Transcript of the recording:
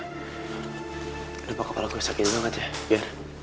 kenapa kepala gue sakit banget ya